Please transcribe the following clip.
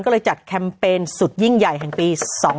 ก็เลยจัดแคมเปญสุดยิ่งใหญ่แห่งปี๒๕๖